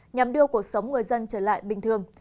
nhằm đưa cuộc sống người dân trở lại bình thường